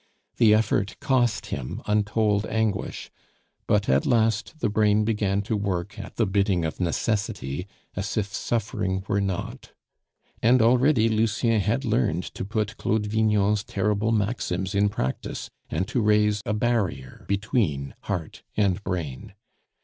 The effort cost him untold anguish, but at last the brain began to work at the bidding of Necessity, as if suffering were not; and already Lucien had learned to put Claude Vignon's terrible maxims in practice, and to raise a barrier between heart and brain.